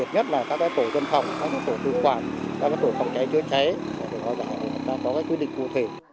nhất là các tổ dân phòng các tổ thư quản các tổ phòng cháy chứa cháy chúng ta có cái quyết định cụ thể